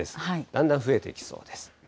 だんだん増えてきそうです。